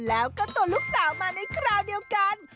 แล้วก็ตัวลูกสาวมาในคราวเดียวกัน